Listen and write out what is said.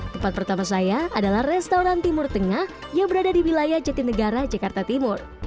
tempat pertama saya adalah restoran timur tengah yang berada di wilayah jatinegara jakarta timur